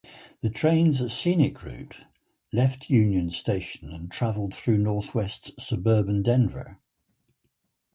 The train's scenic route left Union Station and traveled through northwest suburban Denver.